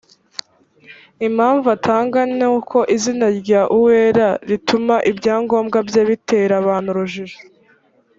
impamvu atanga ni uko izina rya uwera rituma ibyangombwa bye bitera abantu urujijo